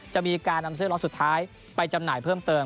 จะมีการนำเสื้อล็อตสุดท้ายไปจำหน่ายเพิ่มเติม